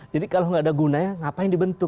jadi kalau gak ada gunanya ngapain dibentuk